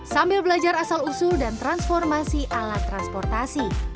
sambil belajar asal usul dan transformasi alat transportasi